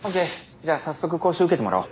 じゃあ早速講習受けてもらおう。